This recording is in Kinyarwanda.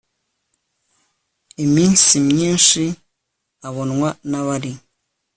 iminsi myinshi abonwa n abari